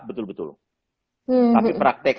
betul betul tapi praktek